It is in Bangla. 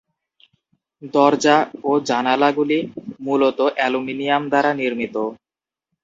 দরজা ও জানালাগুলি মূলত অ্যালুমিনিয়াম দ্বারা নির্মিত।